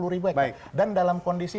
dua ratus dua puluh ribu ekor dan dalam kondisi